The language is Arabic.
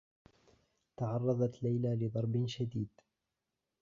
تعرّضت ليلى لضرب شديد.